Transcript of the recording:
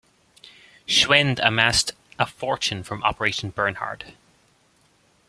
Schwend amassed a fortune from Operation Bernhard.